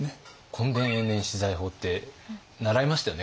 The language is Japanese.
墾田永年私財法って習いましたよね？